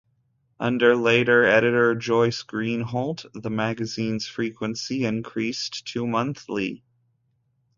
Under later editor Joyce Greenholdt, the magazine's frequency increased to monthly.